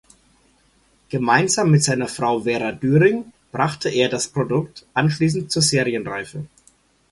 Gemeinsam mit seiner Frau Vera Düring brachte er das Produkt anschließend zur Serienreife.